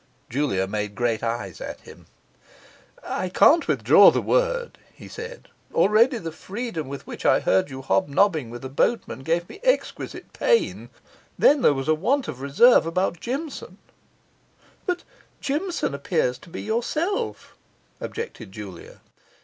Julia made great eyes at him. 'I can't withdraw the word,' he said: 'already the freedom with which I heard you hobnobbing with a boatman gave me exquisite pain. Then there was a want of reserve about Jimson ' 'But Jimson appears to be yourself,' objected Julia.